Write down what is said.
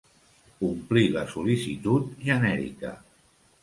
Omplir la sol·licitud genèrica.